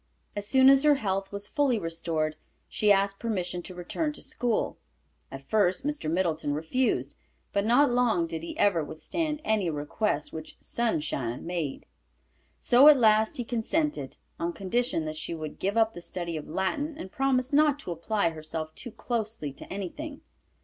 As soon as her health was fully restored, she asked permission to return to school. At first Mr. Middleton refused, but not long did he ever withstand any request which "Sunshine" made. So at last he consented, on condition that she would give up the study of Latin, and promise not to apply herself too closely to anything.